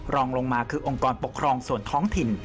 รองลงมาคือองค์กรปกครองส่วนท้องถิ่น